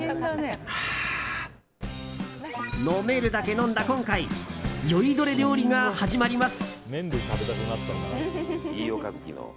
飲めるだけ飲んだ今回酔いどれ料理が始まります。